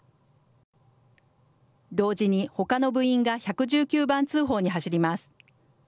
同時にほかの部員が１１９番通報に走ります。